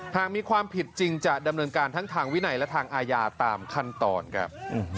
หากมีความผิดจริงจะดำเนินการทั้งทางวินัยและทางอาญาตามขั้นตอนครับ